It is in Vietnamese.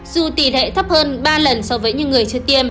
dù tỷ lệ thấp hơn ba lần so với những người chưa tiêm